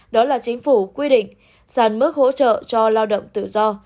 đó là chính phủ quy định sàn mức hỗ trợ cho lao động tự do